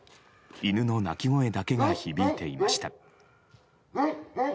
犬の鳴き声だけが響いていました。